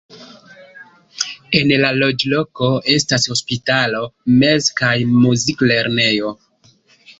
En la loĝloko estas hospitalo, mez- kaj muzik-lernejo.